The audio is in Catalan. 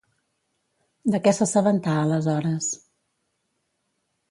De què s'assabentà aleshores?